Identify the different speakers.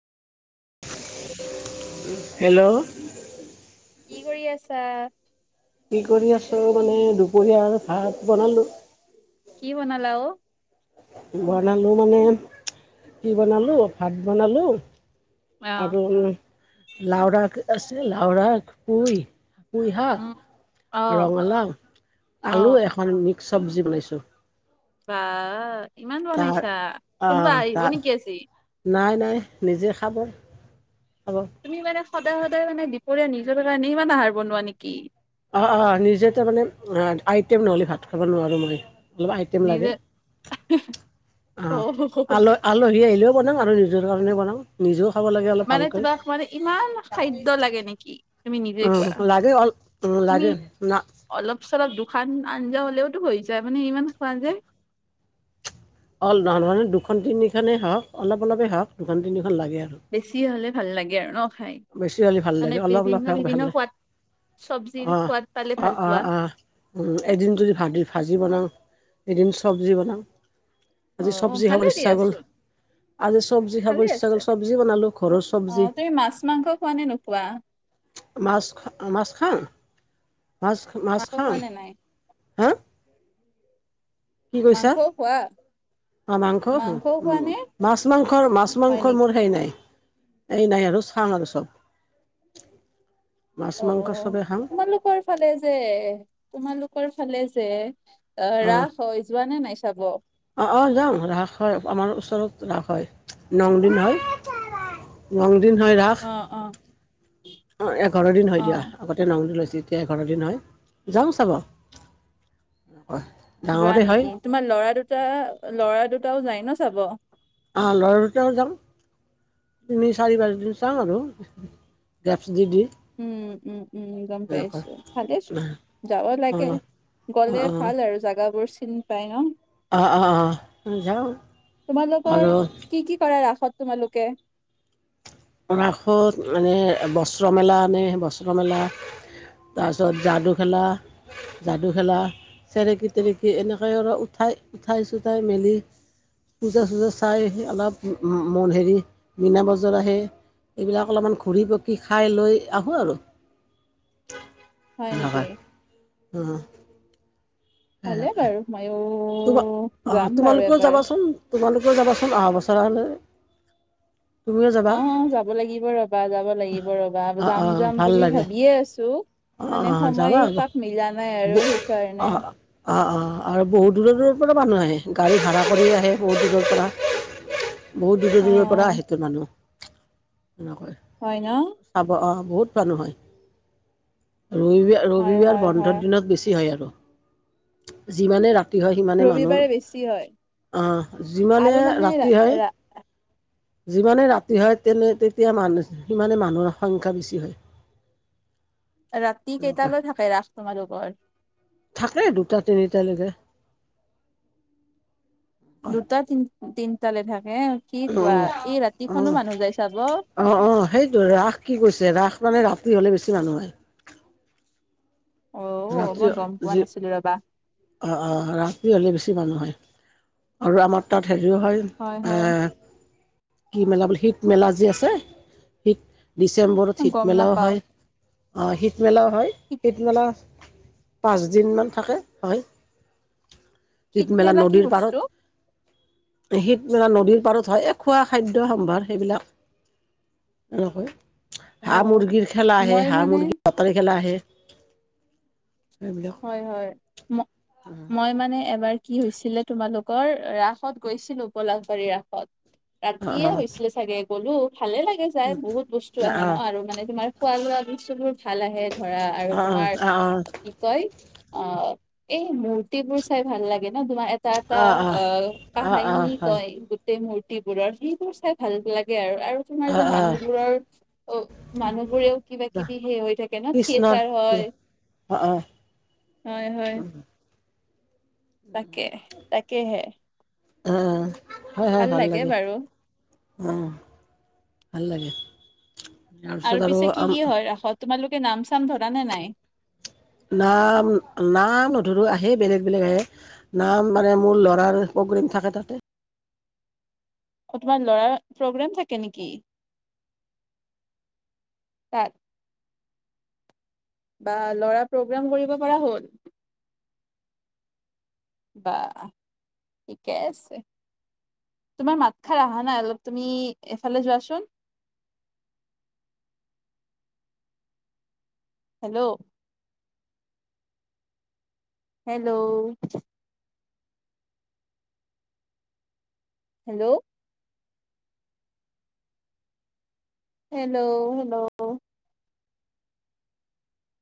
Speaker 1: Hello
Speaker 2: কি কৰি আছা?
Speaker 1: কি কৰি আছ মানে দুপৰীয়া আৰু ভাত বনালো
Speaker 2: কি বনালা অ?
Speaker 1: বনালোঁ মানে কি বনালোঁ ভাত বনালোঁ
Speaker 2: অ',
Speaker 1: আকৌ লাওৰা আছে লাউৰাক পুই কুই শাক,
Speaker 2: উম, অ',
Speaker 1: ৰঙালাও, আলু
Speaker 2: অ',
Speaker 1: এখন মিক্স চব্জি বনাইছোঁ
Speaker 2: বা ইমান
Speaker 1: তাৰ
Speaker 2: বনাইছা, কোনোবা
Speaker 1: আহ
Speaker 2: আহিব
Speaker 1: তাৰ
Speaker 2: নেকি আজি?
Speaker 1: নাই নাই নিজে খাব খাব
Speaker 2: তুমি মানে সদায় সদায় মানে দীপৰীয়া নিজৰ কাৰণে ইমান আহাৰ বনোৱা নেকি
Speaker 1: অ অ নিজে তাৰমানে আইটেম নহ'লে ভাত খাব নোৱাৰো মই অলপ আইটেম
Speaker 2: নিজে
Speaker 1: লাগে অ আল আলহী আহিলেও বনাং আৰু নিজৰ কাৰণে বনাঙ নিজেও খাব লাগে অলপ
Speaker 2: মানে
Speaker 1: ভালকৈ
Speaker 2: তোমাক মানে ইমান খাদ্য লাগে নেকি তুমি নিজে
Speaker 1: উ
Speaker 2: কোৱা,
Speaker 1: লাগে অল উ
Speaker 2: তুমি
Speaker 1: লাগে না
Speaker 2: অলপ চলপ দুখান আঞ্জা হলেওতো হৈ যায় মানে ইমান খোৱা যে
Speaker 1: অলদান হয় দুখন তিনিখনেই হওক অলপ অলপেই হওক দুখন তিনিখন লাগে আৰু
Speaker 2: বেছি হ'লে ভাল লাগে আৰু ন খাই
Speaker 1: বেছি হ'লে ভাল
Speaker 2: মানে
Speaker 1: লাগে অলপ অলপ
Speaker 2: বিভিন্ন
Speaker 1: হওক ভাল
Speaker 2: বিভিন্ন
Speaker 1: লাগে
Speaker 2: সোৱাদ চব্জিৰ
Speaker 1: অঁ।
Speaker 2: সোৱাদ পালে
Speaker 1: অঁ
Speaker 2: ভাল
Speaker 1: অঁ
Speaker 2: পোৱা
Speaker 1: অঁ উম এদিন যদি ভ ভাজি বনাং, এদিন চব্জি বনাং আজি
Speaker 2: অ',
Speaker 1: চব্জি
Speaker 2: ভালে
Speaker 1: খাবলৈ ইচ্ছা গল
Speaker 2: দিয়াচোন,
Speaker 1: আজি চবজি খাব
Speaker 2: ভালে
Speaker 1: ইচ্ছা
Speaker 2: আছে।
Speaker 1: কৰিল চবজি বনালো ঘৰৰ চব্জি
Speaker 2: অ' তুমি মাছ মাংস খোৱা নে নোখোৱা?
Speaker 1: মাছ মাছ খাং মাছ মাছ
Speaker 2: মাংস
Speaker 1: খাং
Speaker 2: খোৱা নে নাই?
Speaker 1: হা
Speaker 2: মাংসও খোৱা?
Speaker 1: অ মাংসও খাঙ উম
Speaker 2: খোৱা নে?
Speaker 1: মাছ- মাংসৰ মাছ
Speaker 2: হয়
Speaker 1: মাংসৰ
Speaker 2: নেকি?
Speaker 1: মোৰ সেৰি নাই এই নাই আৰু চাম আৰু চব মাছ
Speaker 2: অ
Speaker 1: মাংস চবেই খাওঁ
Speaker 2: তোমালোকৰ ফালে যে তোমালোকৰ ফালে যে অ ৰাস হয় যোৱা নে নাই চাব
Speaker 1: অ অ যাওঁ ৰাস হয় আমাৰ ওচৰত ৰাস হয় ন দিন হয় নং দিন হয় ৰাস
Speaker 2: অ অ
Speaker 1: অ এঘাৰ দিন হয় দিয়া
Speaker 2: অ'
Speaker 1: আগত নং দিন আছিল এতিয়া এঘাৰ দিন হয় যাওঁ চাবানেক
Speaker 2: যোৱা নেকি তোমাৰ ল'ৰা দুটা ল'ৰা দুটাও যায় ন চাব
Speaker 1: অঁ লৰা দুটাও জাং তিনি চাৰি পাঁচদিন চাম আৰু গেপছ দি দি।
Speaker 2: উম উম উম গম পাই
Speaker 1: এনেকৈ
Speaker 2: আছো ভালে আছো। যাব
Speaker 1: অঁ
Speaker 2: লাগে
Speaker 1: অঁ অঁ অঁ
Speaker 2: গলে ভাল আৰু জাগাবোৰ চিনি পাই ন।
Speaker 1: অঁ অঁ অঁ যাওঁ
Speaker 2: তোমালোকৰ
Speaker 1: আৰু।
Speaker 2: কি কি কৰাৰ ৰাসত তোমালোকে?
Speaker 1: ৰাসত মানে বস্ত্ৰ মেলা আনে বস্ত্ৰ মেলা তাৰপিছত যাদু খেলা যাদু খেলা চেৰেকী তেৰেকি এনেকৈ আৰু উঠাই উঠাই চোঠাই মেলি পূজা চূজা চাই অলপ মন হেৰি মীনা বজাৰ আহে এইবিলাক অলপমান ঘূৰি পকি খাই লৈ আহোঁ আৰু। হয় হয় উ-
Speaker 2: ভালে বাৰু ময়ো
Speaker 1: তোমাৰ অঁ
Speaker 2: যাম বাৰু
Speaker 1: তোমালোকেও
Speaker 2: এবাৰ।
Speaker 1: যাবাচোন তোমালোকেও যাবাচোন অহা বছৰ হ'লৈ।
Speaker 2: অ যাব লাগিব ৰবা যাব লাগিব ৰবা
Speaker 1: অঁ
Speaker 2: যাম
Speaker 1: অঁ
Speaker 2: যাম
Speaker 1: ভাল
Speaker 2: বুলি
Speaker 1: লাগে
Speaker 2: ভাবিয়ে আছো।
Speaker 1: অঁ
Speaker 2: মানে
Speaker 1: অঁ যাবা
Speaker 2: সময়
Speaker 1: আকৌ
Speaker 2: পাক মিলা নাই আৰু সেইকাৰণে।
Speaker 1: অ অ আৰু বহুত- দূৰ দূৰ পৰা মানুহ আহে গাড়ী ভাড়া কৰি আহে বহুত দূৰৰ পৰা। বহুত দূৰ
Speaker 2: অ
Speaker 1: দূৰৰ পৰা আহেতে মানুহ এনেকৈ।
Speaker 2: হয় ন?
Speaker 1: চাব অ বহুত মানুহ হয় ই
Speaker 2: হয়
Speaker 1: ৰবিবাৰ
Speaker 2: হয়
Speaker 1: বন্ধৰ
Speaker 2: হয়
Speaker 1: দিনত বেছি হয় আৰু যিমানে ৰাতি হয় সিমানে
Speaker 2: ৰবিবাৰে বেছি হয়
Speaker 1: মানুহ যিমানে
Speaker 2: আৰু মানে ৰা
Speaker 1: ৰাতি হয়
Speaker 2: ৰা
Speaker 1: যিমানে ৰাতি হয় তেনে তেতিয়া মানুহ সিমানে মানুহৰ সংখ্যা বেছি হয়।
Speaker 2: ৰাতি
Speaker 1: এনেকুৱা
Speaker 2: কেইটালৈ থাকে ৰাস তোমালোকৰ?
Speaker 1: থাকে দুটা তিনিটালৈকে। অঁ
Speaker 2: দুটা তিন তিনটালৈ থাকে কি কোৱা এই ৰাতিখনো মানুহ যাই চাব।
Speaker 1: অ অ সেইটো ৰাস কি কৈছে ৰাস মানে ৰাতি হ'লে বেছি মানুহ হয়।
Speaker 2: অ মই
Speaker 1: ৰাতি
Speaker 2: গম পোৱা
Speaker 1: যি
Speaker 2: নাছিলো ৰবা
Speaker 1: অঁ অঁ ৰাতি হ'লে বেছি মানুহ হয় আৰু আমাৰ তাত হেৰিও হয় আহ কি মেলা বোলে শীত মেলা যি আছে শীত ডিচেম্বৰত
Speaker 2: মই গম
Speaker 1: শীতমেলাও
Speaker 2: নাপাও
Speaker 1: হয় শীতমেলাও হয়
Speaker 2: শীত
Speaker 1: শীতমেলা পাঁচদিন মান থাকে হয়
Speaker 2: শীত
Speaker 1: ইদমেলা
Speaker 2: মেলা কি
Speaker 1: নদীৰ পাৰত।
Speaker 2: বস্তু
Speaker 1: শীত মেলা নদীৰ পাৰত হয় এ খোৱা খাদ্য সম্ভাৰ সেইবিলাক। এক হাঁহ
Speaker 2: অ'
Speaker 1: মুৰ্গীৰ খেলা আহে
Speaker 2: মই
Speaker 1: হাঁহ
Speaker 2: মানে
Speaker 1: মুৰ্গীৰ পটাৰী খেলা আহে। সেইবিলাক
Speaker 2: হয় হয় ম মই মানে এবাৰ কি হৈছিলে তোমালোকৰ ৰাসত গৈছিলো গলাশবাৰী ৰাসত।
Speaker 1: অঁ
Speaker 2: ৰাতিয়ে হৈছিলে চাগে গলো ভালে লাগে যাই বহুত বস্তু আহে
Speaker 1: অঁ অঁ
Speaker 2: ন আৰু মানে তোমাৰ খোৱা লোৱা বস্তু বোৰ ভাল আহে ধৰা আৰু তোমাৰ
Speaker 1: অঁ অঁ অঁ অঁ
Speaker 2: কি কয় অ এই মূৰ্তিবোৰ চাই ভাল লাগে। ন তোমাৰ এটা এটা
Speaker 1: অঁ অঁ
Speaker 2: অ
Speaker 1: অঁ
Speaker 2: কাহিনী
Speaker 1: হয়
Speaker 2: কয়। ই মূৰ্তিবোৰৰ সেইবোৰ চাই ভাল লাগে আৰু আৰু তোমাৰ
Speaker 1: অঁ
Speaker 2: যে
Speaker 1: অঁ
Speaker 2: মানুহবোৰৰ অ মানুহবোৰেও কিবা কিবি সেই হৈ থাকে ন থিয়েটাৰ হয়
Speaker 1: অ অ।
Speaker 2: হয় হয়। তাকে তাকেহে
Speaker 1: অ হয় হয় ভাল লাগে অ ভাল লাগে তাৰপিছত
Speaker 2: আৰু পিছে কি
Speaker 1: আৰু
Speaker 2: কি হয় ৰাসত তোমালোকে নাম চাম ধৰা নে নাই
Speaker 1: নাম নাম নধৰো আহে বেলেগ বেলেগ আহে নাম মানে মোৰ ল'ৰাৰ প্ৰগ্ৰেম থাকে তাতে
Speaker 2: অ তোমাৰ ল'ৰা প্ৰগ্ৰেম থাকে নেকি তাত বা ল'ৰা প্ৰগেম কৰিব পৰা হ'ল বাহ থিকে আছে তোমাৰ মাতখাৰ অহা নাই অলপ তুমি এফালে যোৱাচোন hello hello hello hello hello